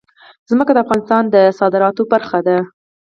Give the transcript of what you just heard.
ځمکه د افغانستان د صادراتو برخه ده.